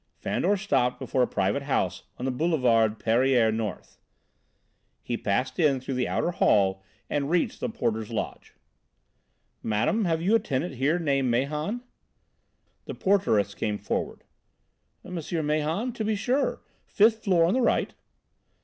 Fandor stopped before a private house on the Boulevard Pereire North. He passed in through the outer hall and reached the porter's lodge. "Madame, have you a tenant here named Mahon?" The porteress came forward. "M. Mahon? To be sure fifth floor on the right."